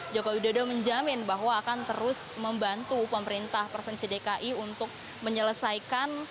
joko widodo menjamin bahwa akan terus membantu pemerintah provinsi dki untuk menyelesaikan